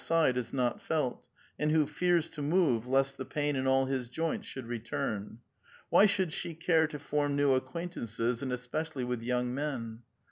side is not felt, and who fears to move lest the pain in all his • joints should return. Why should she care to form new acquaintances, and especially with young men?